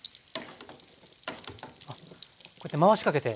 あっこうやって回しかけて。